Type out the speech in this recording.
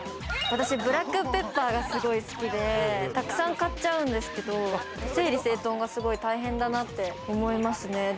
私、ブラックペッパーがすごい好きで、沢山買っちゃうんですけど、整理整頓がすごい大変だなって思いますね。